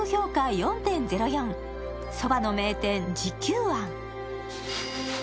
４．０４そばの名店慈久庵